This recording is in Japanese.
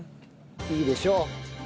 いいでしょう。